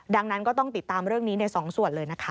ดังนั้นก็ต้องติดตามเรื่องนี้ในสองส่วนเลยนะคะ